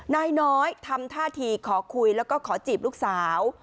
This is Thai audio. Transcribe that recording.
นายน้อยทำท่าทีขอคุยแล้วก็ขอจีบลูกสาว